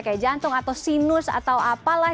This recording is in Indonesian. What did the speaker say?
kayak jantung atau sinus atau apalah